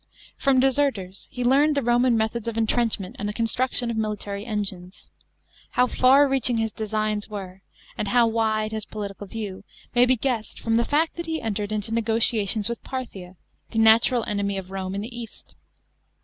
From deserters he learned the Roman methods of entrenchment and the construction of military engines. How far reaching his designs were, and how wide his political view, may be guessed from the fact that he entered into negotiations with Parthia, the natural enemy of Rome in the east.